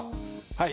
はい。